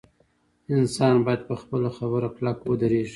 انسان باید په خپله خبره کلک ودریږي.